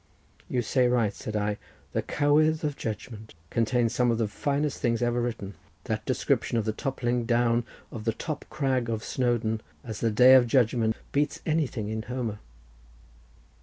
"You say right," said I; "the 'Cowydd of Judgment' contains some of the finest things ever written—that description of the toppling down of the top crag of Snowdon, at the day of Judgment, beats anything in Homer."